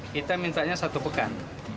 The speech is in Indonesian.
kita mintanya satu pekan